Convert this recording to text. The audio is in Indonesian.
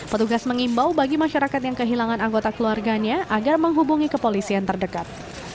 petugas mengimbau bagi masyarakat yang kehilangan anggota keluarganya agar menghubungi ke polisi yang terdekat